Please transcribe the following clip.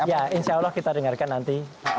ya insya allah kita dengarkan nanti